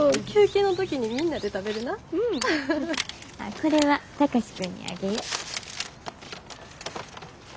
これは貴司君にあげよ。